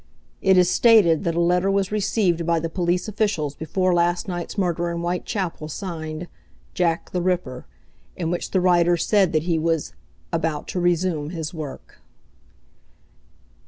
It is stated that a letter was recieved by the police officials before last night's murder in Whitechapel signed "Jack the Ripper," in which the writer said that he was "about to resume his work."